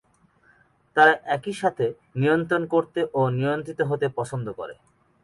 তারা একই সাথে নিয়ন্ত্রণ করতে ও নিয়ন্ত্রিত হতে পছন্দ করে।